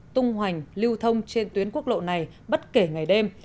tung hoành lưu thông trên tuyến quốc lộ này bất kể ngày đêm